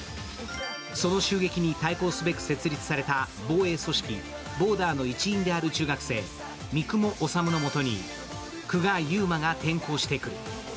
その襲撃に対抗すべく設立された防衛組織・ボーダーの一員である中学生、三雲修のもとに空閑遊真が転校してくる。